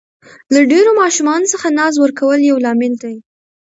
له ډېرو ماشومانو څخه ناز ورکول یو لامل دی.